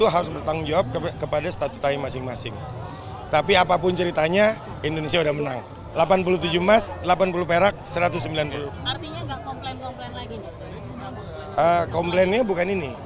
komplainnya bukan ini